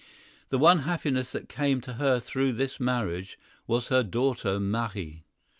The one happiness that came to her through this marriage was her daughter Marie.